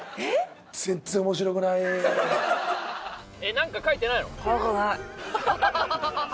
何か書いてないの？